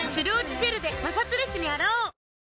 ジェルでまさつレスに洗おう！